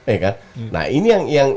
ya kan nah ini yang